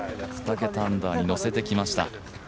２桁アンダーにのせてきました。